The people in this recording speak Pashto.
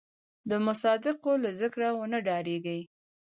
د مصادقو له ذکره ونه ډارېږي.